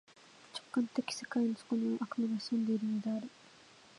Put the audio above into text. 直観的世界の底には、悪魔が潜んでいるのである。